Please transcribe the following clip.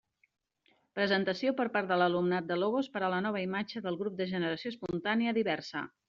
Presentació per part de l'alumnat de logos per a la nova imatge del grup de Generació Espontània «DIVERSA».